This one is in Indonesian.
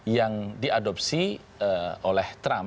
yang diadopsi oleh trump